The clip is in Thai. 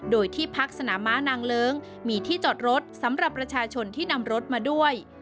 โดยที่พักสนามม้านางเลิ้งมีที่จอดรถสำหรับประชาชนที่นำรถมาด้วย